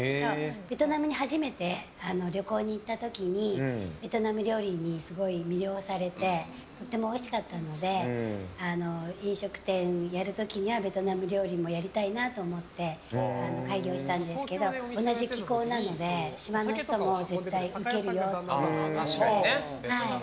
ベトナムに初めて旅行に行った時にベトナム料理にすごい魅了されてとてもおいしかったので飲食店をやる時にはベトナム料理もやりたいなと思って開業したんですけど同じ気候なので島の人も絶対ウケるよって。